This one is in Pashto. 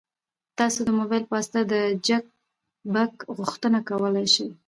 تاسو د موبایل په واسطه د چک بک غوښتنه کولی شئ.